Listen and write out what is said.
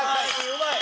うまい！